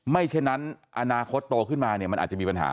ฉะนั้นอนาคตโตขึ้นมาเนี่ยมันอาจจะมีปัญหา